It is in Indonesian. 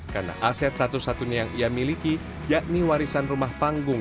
karena aset satu satunya yang ia miliki yakni warisan rumah panggung